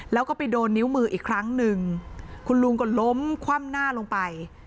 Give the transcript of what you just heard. แล้วก็ไปโดนนิ้วมืออีกครั้งหนึ่งคุณลุงก็ล้มคว่ำหน้าลงไป